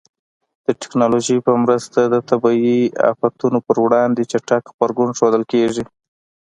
د ټکنالوژۍ په مرسته د طبیعي آفاتونو پر وړاندې چټک غبرګون ښودل کېږي.